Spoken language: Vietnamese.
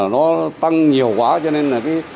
nó tăng nhiều quá cho nên